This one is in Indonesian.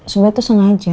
sebenernya tuh sengaja